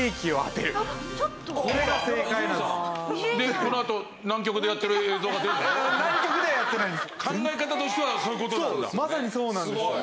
このあと南極でやってる映像が出るんでしょ？